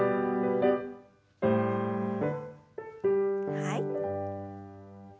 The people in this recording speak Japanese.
はい。